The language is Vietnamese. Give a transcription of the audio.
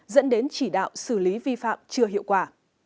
dẫn đến chỉ đạo xử lý vi phạm chưa hiệu quả